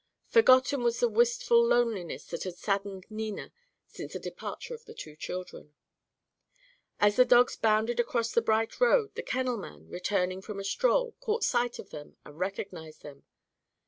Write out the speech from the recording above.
Forgotten was the wistful loneliness that had saddened Nina since the departure of the two children. As the dogs bounded across the bright road, the kennelman, returning from a stroll, caught sight of them and recognised them.